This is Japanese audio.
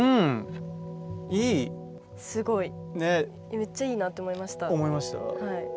めっちゃいいなって思いました。